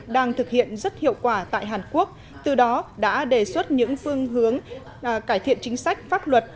đang thực hiện rất hiệu quả tại hàn quốc từ đó đã đề xuất những phương hướng cải thiện chính sách pháp luật